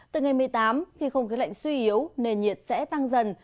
từ ngày một mươi tám khi không khí lạnh suy yếu nền nhiệt sẽ tăng dần